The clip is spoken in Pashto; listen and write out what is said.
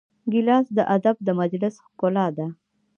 ګیلاس د ادب د مجلس ښکلا ده.